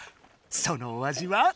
そのお味は？